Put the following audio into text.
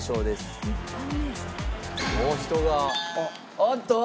おっと！